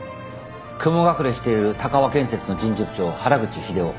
雲隠れしている鷹和建設の人事部長原口秀夫。